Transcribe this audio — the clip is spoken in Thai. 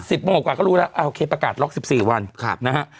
โมงกว่าก็รู้แล้วอ่าโอเคประกาศล็อกสิบสี่วันครับนะฮะ